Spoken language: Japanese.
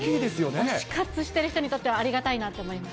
推し活している人にとってはありがたいなって思います。